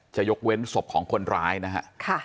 จะยกเว้นศพของคนร้ายนะฮะ